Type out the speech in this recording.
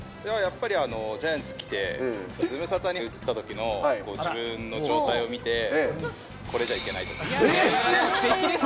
やっぱりジャイアンツ来て、ズムサタに映ったときの自分の状態を見て、これじゃいけないと思えっ？